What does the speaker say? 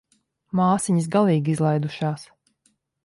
Māsiņas galīgi izlaidušās.